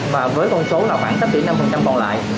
và với con số là khoảng tất cả năm còn lại